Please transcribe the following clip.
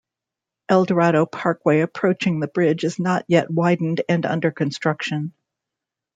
Eldorado Parkway approaching the bridge is not yet widened and under construction.